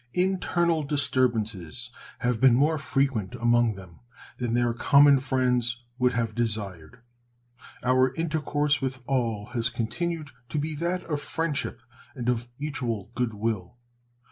Internal disturbances have been more frequent among them than their common friends would have desired. Our intercourse with all has continued to be that of friendship and of mutual good will.